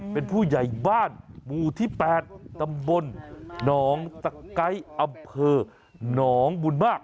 เป็นผู้ใหญ่บ้านหมู่ที่๘ตำบลหนองตะไก๊อำเภอหนองบุญมาก